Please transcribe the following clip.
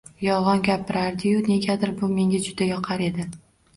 Yolg‘on gapirardiyu negadir bu menga juda yoqar edi.